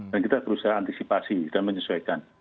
dan kita berusaha antisipasi dan menyesuaikan